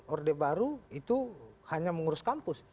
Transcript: orde baru itu hanya mengurus kampus